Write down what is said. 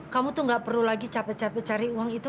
kamu tuh gak perlu lagi capek capek cari uang itu